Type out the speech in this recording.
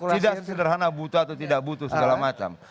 tidak sederhana butuh atau tidak butuh segala macam